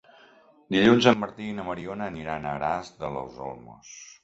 Dilluns en Martí i na Mariona aniran a Aras de los Olmos.